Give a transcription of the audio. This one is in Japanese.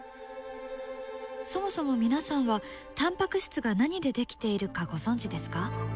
そもそも皆さんはタンパク質が何で出来ているかご存じですか？